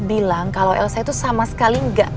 bilang kalau elsa itu sama sekali enggak